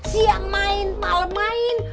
siap main malem main